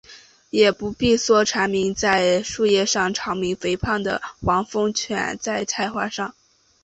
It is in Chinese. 也不必说鸣蝉在树叶里长吟，肥胖的黄蜂伏在菜花上